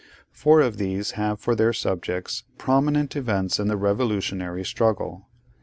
Four of these have for their subjects prominent events in the revolutionary struggle.